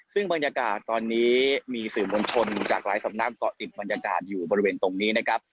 ซึ่งบรรยากาศตอนนี้มีสื่อมวลชนจากหลายสำนักเกาะอิ่มบริเวณตรงนี้นะครับ